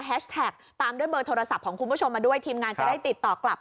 ตามด้วยเบอร์โทรศัพท์ของคุณผู้ชมมาด้วยทีมงานจะได้ติดต่อกลับ